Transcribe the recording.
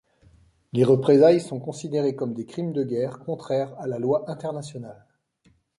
Les représailles sont considérées comme des crimes de guerre contraires à la loi internationale.